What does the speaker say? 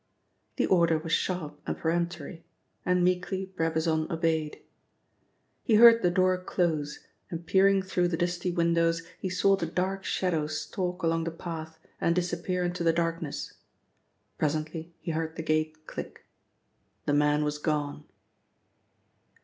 The order was sharp and peremptory, and meekly Brabazon obeyed. He heard the door close, and peering through the dusty windows, he saw the dark shadow stalk along the path and disappear into the darkness. Presently he heard the gate click. The man was gone.